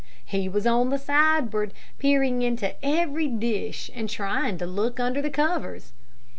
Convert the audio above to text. He was on the sideboard, peering into every dish, and trying to look under the covers.